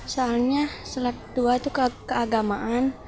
soalnya selat dua itu keagamaan